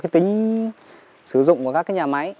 tính sử dụng của các nhà máy